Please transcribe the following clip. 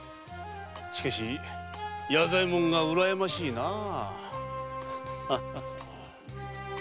しかし弥左衛門がうらやましいなぁ。